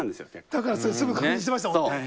だからそれすぐ確認してましたもんね。